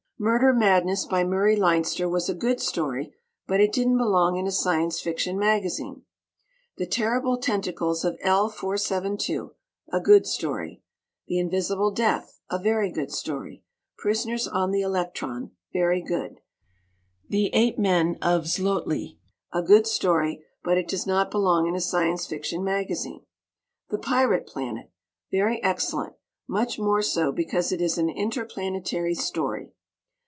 "Murder Madness," by Murray Leinster, was a good story, but it didn't belong in a Science Fiction magazine. "The Terrible Tentacles of L 472," a good story; "The Invisible Death," a very good story; "Prisoners on the Electron," very good; "The Ape Men of Xlotli," a good story, but it does not belong in a Science Fiction magazine; "The Pirate Planet," very excellent much more so because it is an interplanetary story.